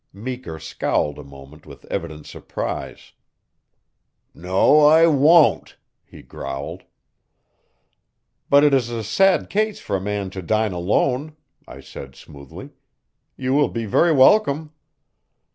Meeker scowled a moment with evident surprise. "No, I won't," he growled. "But it is a sad case for a man to dine alone," I said smoothly. "You will be very welcome."